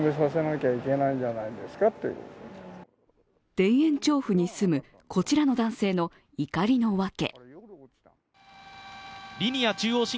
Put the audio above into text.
田園調布に住むこちらの男性の怒りのわけ。